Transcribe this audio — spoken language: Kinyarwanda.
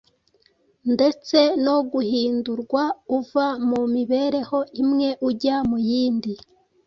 ndetse no guhindurwa uva mu mibereho imwe ujya mu yindi.